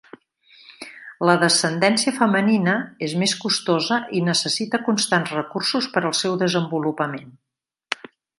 La descendència femenina és més costosa i necessita constants recursos per al seu desenvolupament.